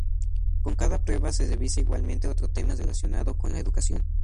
Con cada prueba se revisa igualmente otro tema relacionado con la educación.